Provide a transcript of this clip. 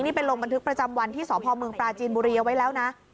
นี่ไปลงบันทึกประจำวันที่สพเมืองปราจีนบุรีเอาไว้แล้วนะ